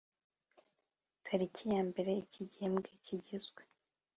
tariki ya mbere Iki gihembwe kigizwe